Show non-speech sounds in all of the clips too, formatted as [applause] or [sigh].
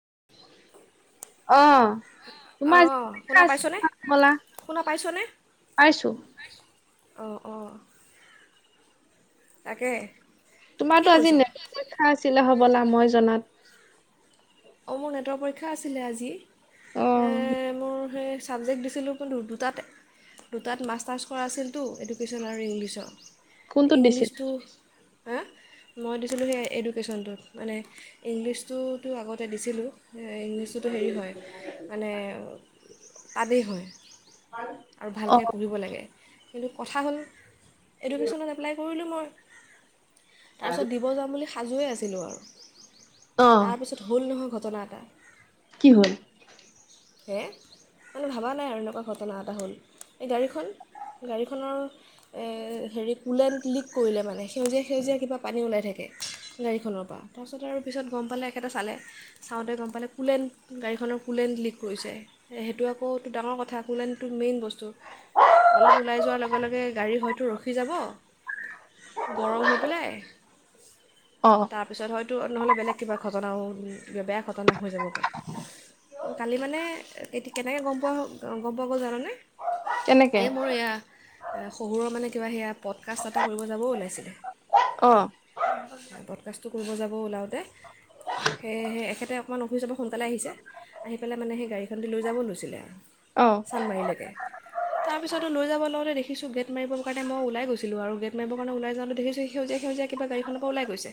[unintelligible] অ। তোমাৰ অঁ শুনা পাইছনে আলা [unintelligible] শুনা পাইছো। অ-অ তাকে। কি তোমাৰটো কৰিছ আজি নে পৰীক্ষা আছিলে হবলা মই জনাত। অঁ মোৰ নেটৰ পৰীক্ষা আছিলে আজি। অ', মোৰ সেই ছাবজেক্ট দিছিলোঁ, কিন্তু দুটাত দুটাত মাষ্টাৰ্ছ কৰা আছিলতো এডুকেশ্যন আৰু ইংলিছৰ। কোনটোত দিছিল? ইংলিছটো হা মই দিছিলোঁ, সেই এডুকেশ্যনটোত মানে ইংলিছটোতো আগতে দিছিলোঁ। ইংলিছটোতো হেৰি হয়, মানে আবেগ হয়। আৰু ভালকে অ', পঢ়িব লাগে। কিন্তু কথা হ'ল এডুকেশ্যনত এপ্লাই কৰিলো- তাৰপিছত দিব যাম বুলি সাজুৱে আছিলোঁ আৰু। অ। তাৰপিছত হল নহয় ঘটনা এটা। কি হল? হে মানে ভাবা নাই আৰু এনেকোৱা ঘটনা এটা হ'ল। এই গাড়ীখন গাড়ীখনৰ হেৰি কুলেণ্ট লিক কৰিলে মানে, সেউজীয়া সেউজীয়া কিবা পানী ওলাই থাকে। গাড়ীখনৰ পৰা। তাৰ পাছত আৰু পিছত গম পালে একেটা চালে। চাওঁতে গম পালে কুলেণ্ট গাড়ীখনৰ কুলেণ্ট লিক কৰিছে। সেইটো আকৌ ডাঙৰ কথা। মেইন বস্তু, অলপ ওলাই যোৱাৰ লগে লগে গাডী হয়টো ৰখি যাব গৰম হৈ পেলাই অ'। তাৰপিছত হয়তো নহ'লে বেলেগ কিবা ঘটনাও কিবা বেয়া ঘটনা হৈ যাব পাৰে। কালি মানে এ কেনেকৈ গম পোৱা গম পোৱা গ'ল জানানে? কেনেকে? এই মোৰ এয়া শহুৰৰ মানে কিবা সেয়া পডকাষ্ট এটা কৰিব যাবও ওলাইছিলো অ', পডকাষ্টটো কৰিব যাব ওলাওঁতে [unintelligible] সেয়ে এখেতে অকণমান অফিচৰ পৰা সোনকালে আহিছে, আহি পেলাই মানে সেই গাড়ীখন দি লৈ যাব লৈছিলে। অ', চানমাৰীলৈকে। তাৰপিছত লৈ যাব লগলে দেখিছোঁ গেট মাৰিব কাৰে মই ওলাই গৈছিলোঁ আৰু, গেট মাৰিবৰ কাৰণে ওলাই যাওঁতে দেখিছোঁ সেই সেউজীয়া সেউজীয়া কিবা গাড়ীখনৰ পৰা ওলাই গৈছে,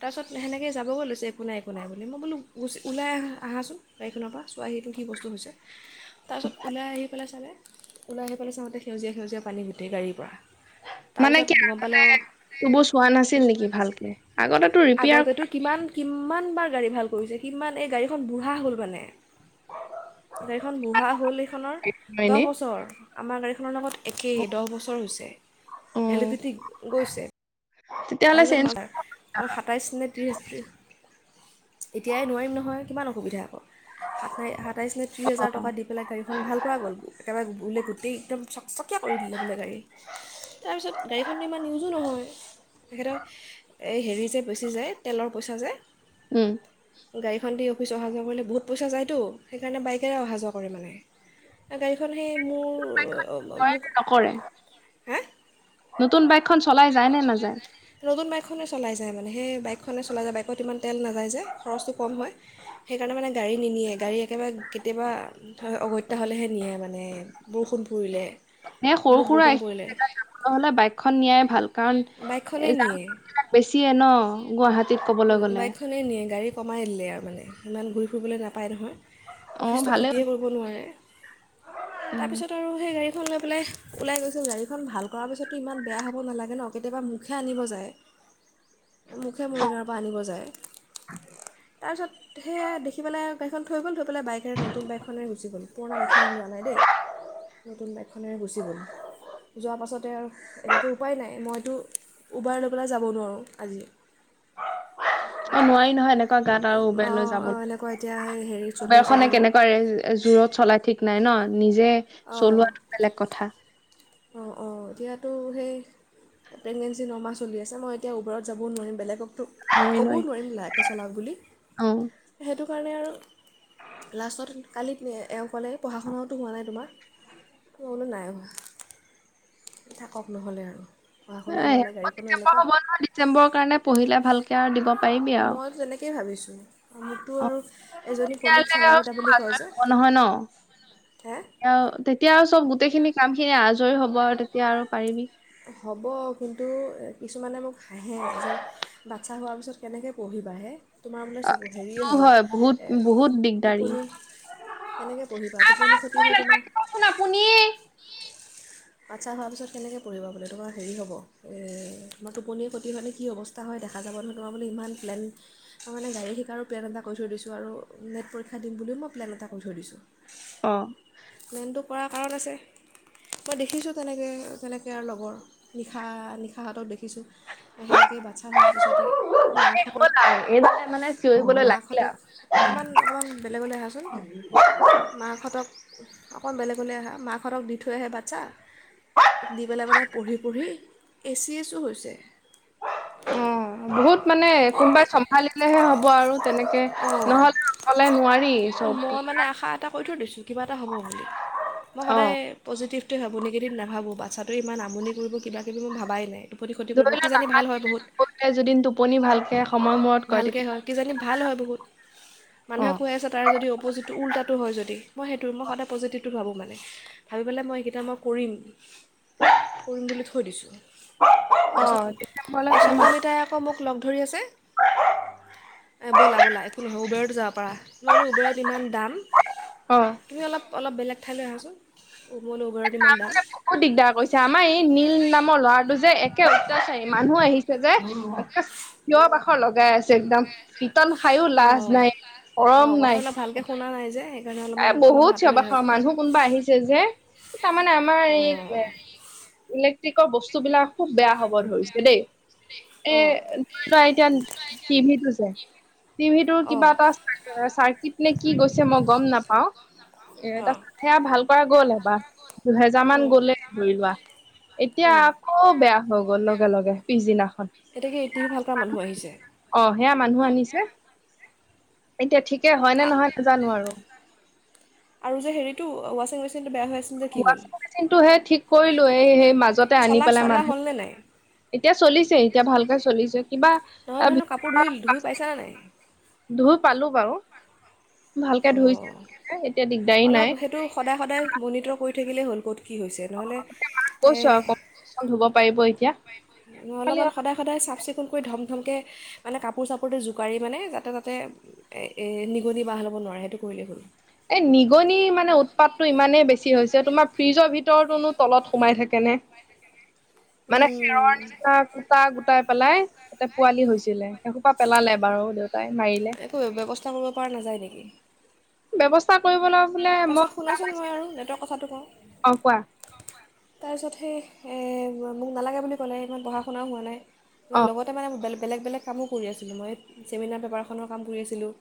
তাৰ পাছত সেনেকে যাবগৈ লৈছে একো নাই বনাই বুলি মই বোলো গ ওলাই আহা আহাচোন গাড়ীখনৰ পৰা চোৱা সেইটো কি বস্তু হৈছে তাৰপাছত ওলাই আহি পেলাই চালে ওলাই আহি পেলাই চাওঁতে সেউজীয়া সেউজীয়া পানী গোটেই গাড়ীৰ পৰা মানে তাৰপিছত কি গম পালে আগতে অঁ সেইবোৰ চোৱা নাছিল নেকি ভালকে, আগতে তো ৰিপেয়াৰ আগতেতো কৰা কিমান বাৰ গাড়ী ভাল কৰিছে কিমান এই গাড়ীখন বুঢ়া হ'ল মানে। গাড়ীখন বুঢ়া হ'ল সেইখনৰ হয় দহ এনেই, বছৰ আমাৰ গাড়ীখনৰ লগত একেই দহ বছৰ হৈছে অ', ভেলীডিটি গৈছে। তেতিয়াহ'লে তাৰপিছত চেঞ্জ মাল সাতাইছ নে ত্ৰিছ এতিয়াই নোৱাৰিম নহয় কিমান অসুবিধা আক সাতাই সাতাইছ নে ত্ৰিছ হাজাৰ কৰা, টকা দি পেলাই গাড়ীখন ভাল কৰা গ'ল একেবাৰে বোলে গোটেই একদম চকচকীয়া কৰি দিলে বোলে গাড়ী, তাৰপিছত গাড়ীখনতো ইমান ইউজো নহয় তেখেতৰ এই হেৰি যে বেচি যায় তেলৰ পইচা যে উম গাড়ীখন দি অফিচ অহা যোৱা কৰিলে বহুত পইচা যায়তো সেইকাৰণে বাইকেৰে অহা যোৱা কৰে মানে। গাড়ীখন সেই মোৰ কৰে মোক নে নকৰে? হা নতুন বাইকখন চলাই যায় নে নাযায়? নতুন বাইকখনে চলাই যায় মানে সেই বাইকখনে চলাই যায় বাইকত ইমান তেল নাযায় যে, খৰচটো কম হয়। সেইকাৰণে মানে গাড়ী নিনিয়ে গাড়ী একেবাৰে কেতিয়াবা অগত্যা হ'লেহে নিয়ে মানে বৰষুণ পৰিলে। এ সৰু বহুত সুৰা বৰষুণ পৰিলে জেগাত যাবলৈ হ'লে বাইকখন নিয়াই ভাল কাৰণ বাইকখনেই এ যাম নিয়ে বিলাক বেছিয়ে ন গুৱাহাটী বাইকখনেই নিয়ে গাড়ী কমাই দিলে আৰু মানে ইমান ঘূৰি ফুৰিবলৈ নাপায় নহয়। অ', অফিচটো ভালে খটীয়ে কৰিব নোৱাৰে, তাৰপিছত আৰু সেই গা খন লৈ পেলাই ওলাই গৈছিল গাড়ীখন ভাল কৰাৰ পিছতো ইমান বেয়া হ'ব নালাগে ন! কেতিয়াবা মোকহে আনিব যায়। [unintelligible] মোকহে মৰিগাঁৱৰ পৰা আনিব যায়, তাৰপিছত সে দেখি পেলাই গাড়ীখন থৈ গ'ল, থৈ পেলাই বাইকেৰে নতুন বাইক খনেৰে গুচি গল, পুৰণা গাড়ী খন লোৱা নাই দেই নতুন বাইকখনেৰে গুচি গ'ল, যোৱাৰ পাছতে আৰু এতিয়াতো উপায় নাই মইতো। উবাৰ লৈ পেলাই যাব নোৱাৰোঁ আজি। অ, নোৱাৰি নহয় এনেকুৱা গাঁৱত আৰু উবেৰ লৈ অঁ অঁ যাবলৈ, এনেকুৱা এতিয়া সেই হেৰি চলি উবেৰ আছে যে খনে মোৰ কেনেকুৱা জোৰত চলাই ঠিক নাই ন, নিজে অঁ চলোৱা বেলেগ কথা। অঁ অঁ এতিয়াতো সেই। প্ৰেগনেঞ্চি নমাহ চলি আছে, মই এতিয়া উবেৰত যাবও নোৱাৰিম বেলেগক। নোৱাৰি ক'বও নোৱাৰি নোৱাৰিম লাহেকে চলাওঁক্ বুলি, অ সেইটো কাৰণে আৰু। লাষ্টত কালিত এও ক'লে পঢ়া শুনাও তো হোৱা নাই তোমাৰ। মই বোলো নাই হোৱা। থাকক নহ'লে আৰু। পঢ়া শুনা হোৱা নাই আকৌ গাড়ীখনো ডিচেম্বৰ এনেকুৱা হ'ব নহয়, ডিচেম্বৰৰ কাৰণে পঢ়িলে ভালকে আৰু দিব। পাৰিবি আৰু মই তেনেকেই ভাবিছোঁ, মোকতো অ আৰু এজনী কলিগ তেতিয়াহলে আৰু চন্দামিতা চব বুলি কয় আজৰি যে হব নহয় ন, হে তেতিয়া আৰু চব। গোটেইখিনি কাম খিনি আজৰি হ'ব আৰু তেতিয়া আৰু পাৰিবি হ'ব কিন্তু কিছুমানে মোক হাঁহে যে বাচ্ছা হোৱাৰ পিছত কেনেকৈ পঢ়ি অ এইটো হয় বহুত বহুত দিগদাৰী টো। এনেকৈ পঢ়িবা টোপনি ক্ষতি হয় তোমাৰ। নাথাকিবচোন আপুনি বাচ্ছা হোৱাৰ পিছত কেনেকৈ পৰিবা বোলে তোমাৰ হেৰি হ'ব এই আমাৰ টোপনিৰ প্ৰতি মানে কি অৱস্থা হয়। দেখা যাব নহয় তোমাৰো ই প্লেন তাৰানে গাড়ী শিকাৰো প্লেন এটা ক কৰি থৈ দিছোঁ আৰু নেটৰীক্ষ দি বুলো মই প্লেন এটা কৰি থৈছোঁ। অঁ। কৰাৰ কাৰণ আছে। মই দেখিছোঁ তেনেকৈ কেনেকৈ আৰু লগৰ নিশা নিশাহাতক দে শিকিছোঁ সেনেকেই বাচ্ছা হোৱাৰ পিছতে এ হ'ল মাকহঁতক আৰু এইবাৰ মানে চিঞৰিবলৈ লাগিলে আৰু মাহহঁতক অকণমান অকণমান বেলেগলৈ আহাচোন মহঁতক অকণ বেলেগ বলে আহা মাহৰক দি থৈ আহে। আচ্ছা দি পেলাই মানে পঢ়ি পঢ়ি এ চি এছো হৈছে। অ বহুত মানে কোনবাই চম্ভালিলেহে হ'ব আৰু তেনেকে নহ'লে অকলে। নোৱাৰি অ, চব মই মানে আশা এটা কৰি থৈ দিছো কিবা এটা হ'ব বুলি মই সদায়। অ' টোৱে ভাবো নিগেটিভ নাভাবো, বাচ্ছাটো ই আমনি কৰি কিবা কিবি মই ভাবাই নাই পতি ক্ষতি কৰিব ধৰি লোৱা কিজানি ভাল হয় নাকান্দিলে বহুত, নকৰিলে যদি টোপনি ভালকে সময় মূৰত কয় ভালকে তেতিয়া হয় কিজানি ভাল হয় বহুত। মানুহে অ' কয় আছে তাৰ যদি অপজিতটো উল্টো হয় যদি মই সেইটো মই সদায় পজিটিভটো ভাবোঁ মানে, ভাবি পেলাই মই এইকেইটা মই কৰিম। কৰিম বুলি থৈ দিছোঁ, তাৰপিছত অ' ডিচেম্বৰলৈ এই টাইম আছে চন্দামিতাই আকৌ মোক লগ ধৰি আছে ব'লা ব'লা এইটো ন উবেৰত যাওঁ। পৰা নহ ব'লো উবেৰত ইমান দাম অ' তুমি অলপ অলপ বেলেগ ঠাইলৈ আহাচোন। মই বোলো উবেৰত ইমান তাৰ দাম মানে বহুত দিগদাৰ কৰিছে, আমাৰ এই নীল নামৰ ল'ৰাটো যে। একে অত্যাচাৰী মানুহ আহিছে যে, একে তিয় বাখৰ লগাই আছে একদম খায়ো অ লাজ নাই অ, শৰম নাই কথাবিলাক ভালকে শুনা নাই যে। সেইকাৰণে এ অলপমান অলপমান বহুত আঁতৰি চিবাখৰ আহাচোন মানুহো কোনোবা আহিছে যে তাৰমানে আমাৰ এই অঁ এ। [unintelligible] বস্তু বিলাক খুব বেয়া হ'ব ধৰিছে দেই, এ ধৰি লোৱা এতিয়া। টিভি টো যে, টিভি অঁ কিবা এটা চাৰ্কিট নে কি গৈছে মই গম নাপ নাপাওঁ। এ, তাৰছত সে আৰু ভাল কৰা গ'ল এবাৰ দুহেজাৰ মান অঁ গলেই ধৰি লোৱা এতিয়া অঁ আকৌ বেয়া হৈ গ'ল লগে লগে পিছদিনাখন এতিয়াকে টি ভি ভাল কৰা মানুহ আহিছে অ সেয়া মানুহ আনিছে। এতিয়া ঠিকেই হয় নে নহয় নাজানো আৰু। আৰু যে হেৰিতটো ৱাচিং মেচিনটো বেয়া হৈ আছিল যে কি হ'ল ৱাচিং মেচিনটোহে ঠিক কৰিলো এই সেই মাজতে আনি চলা পেলাই চলা মানুহ। হ'লনে নাই [unintelligible] এতিয়া চলিছে এতিয়া ভালকে চলিছে কিবা নহয় এ নহয় নহয় কাপোৰ ধুই ধুই পাইছানে [unintelligible] নাই ধুই পালো বাৰু ভালকে অ ধুই এতিয়া দিগদাৰি অ নাই সেইটো সদায় সদায় [unintelligible] থে হ'ল ক'ত কি হৈছে নহ'লে? কৈছো আৰু কম ধুব পাৰিব [unintelligible] এতিয়া খালি অলপমান সদায় সদায় চাফ চিকুণ কৰি ধম প্ৰথমকৈ মানে কাপোৰ চাপোৰটো জোকাৰি মানে যাতে তাতে নিগনি বাহ হ'ব নোৱাৰে সেইটো [unintelligible] কৰিলে হল। [unintelligible] এই নিগনি মানে উৎপাতটো ইমানেই বেছি হৈছে তোমাৰ ফ্ৰিজৰ ভিতৰতোনো তলত সোমাই থাকে। কেনে মানে খেৰৰ নিচিনা গোটা গোটাই [unintelligible] পেলাই ততে পোৱালি হৈছিলে সেইসোপা পেলালে বাৰু দেউতা একো ব্যৱস্থা কৰিব পৰা নাযায় নেকি? ব্যৱস্থা কৰিবলৈ বোলে মই তাৰপিছত শুনাচোন মই আৰু নেটৰ কথাটো কওঁ [unintelligible] অ কোৱা তাৰপিছত সেই মোক নালাগে বুলি ক'লে ইমান পঢ়া শুনাও হোৱা নাই [unintelligible] ম অ লগতে মানে মোবাইল বেলেগ বেলেগ কামো কৰি আছিলোঁ মই চেমিনাৰ পেপাৰখনৰ কাম কৰি আছিলোঁ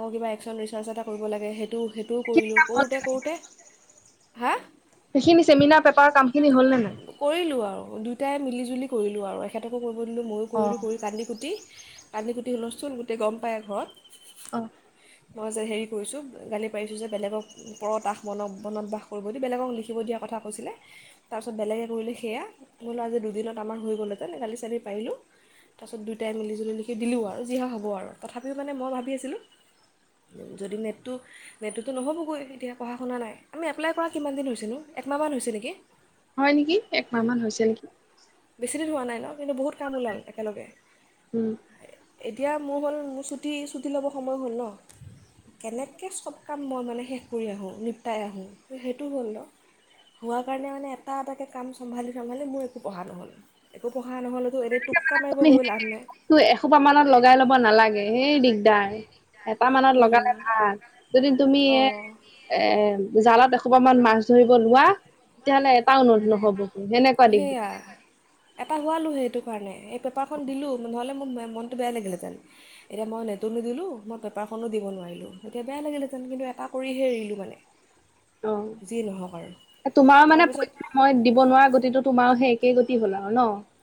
আক কিব এক্সন ৰিচাৰছ এটা কৰিব লাগ [unintelligible] লে সেইটো সেইটো কৰিলোঁ কৰোঁতে কৰোঁতে হা [unintelligible] সেইখিনি চেমিনাৰ পেপাৰৰ কামখিনি হ'ল নে নাই ইজিলি কৰিলোঁ আৰু এখেতকো কৰিব দিলোঁ মইয়ো অ কৰিলোঁ কৰি কান্দি কুটি কান্দি কুটি শুলচষ্টুল গোটেই গম পায় ঘৰত [unintelligible] অ মই যে হেৰি কৰিছোঁ গালি পাৰিছোঁ যে বেলেগক [unintelligible] ওচৰত আস মন মনত বাস কৰিব দি বেলেগক লিখিব দিয়াৰ কথা কৈছিলে তাৰপিছত বেলেগে কৰিল সেয়া [unintelligible] বোলো আজি দুদিনত আমাৰ হৈ গ'ল হেঁতেন কালি চালি পাৰিলোঁ [unintelligible] তাৰপিছত দুইটাই মিলিজুলি নেকি দিলোঁ আৰু যিহে হ'ব আৰু তথাপিও মানে মই ভাবি আছিলোঁ যদি নেটটো নেটটোতো নহ'বগৈ এতিয়া পঢ়া শুনা নাই আমি এপ্লাই কৰা কিমান দিন হৈছিলোঁ একমাহমান হৈছে নেকি [unintelligible] হয় নেকি একমাহমান হৈছে নেকি বেছি দিন হোৱা নাই ন কিন্তু বহুত কাম ওলাল একেলগে উম এতিয়া মোৰ হ'ল মোৰ ছুটি ছুটি ল'ব সময় হ'ল ন কেনেকৈ চব কাম মই মানে শেষ কৰি আহোঁ নিপটাই আহোঁ সেইটো হ'ল ন [unintelligible] হোৱা কাৰণে মানে এটা এটাকে কাম চম্ভালি চম্ভালি মোৰ একো পঢ়া নহ'ল একো পঢ়া নহ'ল তুমি সেই বস এখোপা মানত লগাই লব নালাগে সেই দিগদাৰ [unintelligible] এটা মানত লগালে ভাল যদি তুমি এ অঁ এ জালত [unintelligible] এখোপা মান মাছ ধৰিব লোৱা তেতিয়াহলে এটাও নোধ নহব [unintelligible] সেয়া দিগদাৰ এটা হোৱালো সেইটো কাৰণে পেপাৰখন দিলোঁ নহ'লে মোৰ মনটো বে লাগিলেতেন এতিয়া মই নেটো নিদিলোঁ মই পেপাৰখনো দিব নোৱাৰোঁ [unintelligible] তেতিয়া বেয়া লাগিলেঁতেন কিন্তু এটা কৰিহে এৰিলোঁ মানে যি নহওক আৰু অ তোমাৰো মানে তাৰপিছত পইচা মই দিব নোৱাৰা গতিটো [unintelligible] তোমাৰ সে একেই গতি হ'ল আও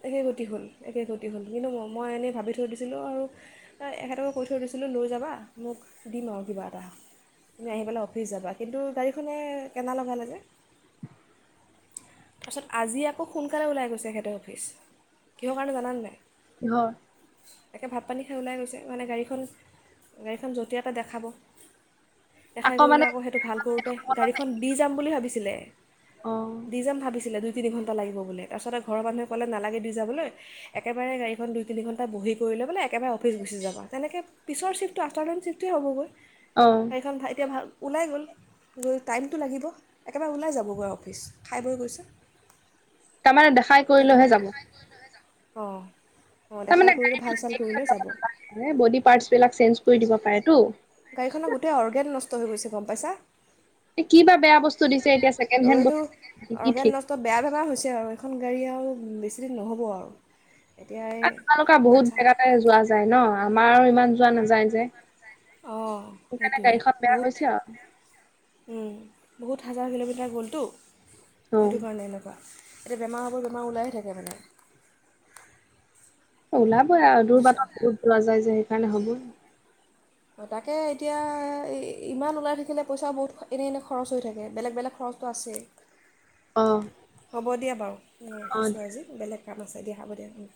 একেই গতি হ'ল একেই গতি হ'ল কিন্তু ম মই এনেই ভাবি থৈ দিছিলোঁ আৰু এখেতকো কৈ থৈ দিছিলোঁ লৈ যাবা মোক [unintelligible] দিম আৰু কিবা এটা তুমি আহি পেলাই অফিচ যাবা কিন্তু গাড়ীখনে কেনালগালে যে [unintelligible] তাৰপিছত আজি আকৌ সোনকালে ওলাই গৈছে এখেতেৰ অফিচ কিহৰ কাৰণে নাজিনো [unintelligible] নাই হয় একে ভাত পানী খাই ওলাই গৈছে মানে গাড়ীখন গাড়ীখন যটীয়াতে দেখাব [unintelligible] দেখাই কৰিলে আকৌ সেইটো ভাল কৰোঁতে গাড়ীখন দি যাম বুলি ভাবিছিলে [unintelligible] অ দি যাম ভাবিছিলে দুই তিনিণ্টা লাগিব বুলি তাৰপাছতে ঘৰৰ মানুহে কলে নালাগে দি যাবলে একেবাৰে গাড়ীখন নিজে তিনিণ্টা বহি কৰিলে একেবাৰে অফিচ গুচি যাবা তেনেকে পিছৰ চিফটো আফ্টানোন চিফটেই হ'বগৈ অ সেইখন ঠাইতে ভাল ওলাই গ'ল গৈ টাইমটো লাগিব একেবাৰে ওলাই যাব গৈ অফিচ খাই বৈ গৈছে তাৰমানে দেখাই সেইটো কৰিলৈ হে কথা যাব। অঁ অঁ দেখাই তাৰমানে কৰিলে ভাল চাল গাড়ীবিলাকৰ এৰি কৰিলে থৈ যাব নেলাগে যে বডী পাৰ্টচ বিলাক চেঞ্জ কৰি দিব পাৰে টো গাড়ীখনৰ গোটেই অৰ্গেন নষ্ট হৈ গৈছে গম পাইছা কিবা বেয়া বস্তু দিছে এতিয়া ছেকেণ্ড হেণ্ড সেইটো বস্তু- কি ঠিক অৰ্গেন নষ্ট বেয়া বেমাৰ হৈছে আৰু এইখন গাড়ী আও বেছিদিন নহ'ব আও এ তোমালোকে বহুত জেগাতে যোৱা যায় ন আমাৰ ইমান যোৱা নাযায় যে। অঁ সেইকাৰণে সেইটোৱে গাড়ীখন বেয়া বহুত হৈছে আৰু উম বহুত- হাজাৰ কিলোমিটাৰ গ'লটো অ সেইটো কাৰণে এনেকুৱা। এতিয়া বেমাৰ হব বেমাৰ ওলায়ে থাকে মানে- ওলাবই আৰু দূৰ বুজিছে বাটত বহুত যোৱা যায় যে সেইকাৰণে হ'বই। তাকে এতিয়া ইমান ওলাই থাকিলে পইচা বহুত এনেই এনে খৰচ হৈ থাকে বেলেগ বেলেগ খৰ চতো আছেই অ হ'ব দিয়া বাৰু অ ৰাখিছোঁ আজি বেলেগ কাম আছে। হ'ব দিয়া হ'ব দিয়া উম